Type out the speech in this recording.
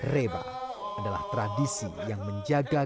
reba adalah tradisi yang menjaga